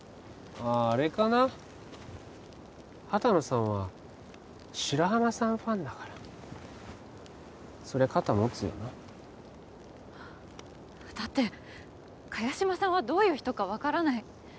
あっあれかな畑野さんは白浜さんファンだからそりゃ肩持つよなだって萱島さんはどういう人か分からない